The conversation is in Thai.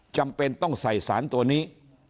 จำเป็นต้องใส่สารตัวนี้